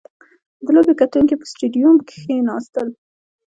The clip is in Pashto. • د لوبې کتونکي په سټېډیوم کښېناستل.